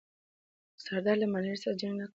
سردارو له ملالۍ سره جنګ نه کاوه.